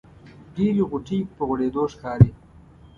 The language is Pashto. ډېرې غوټۍ په غوړېدو ښکاري.